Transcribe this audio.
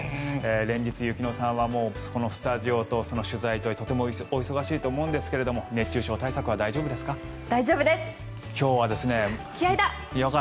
連日、雪乃さんはこのスタジオと取材でとてもお忙しいと思うんですけれども熱中症対策は大丈夫ですか？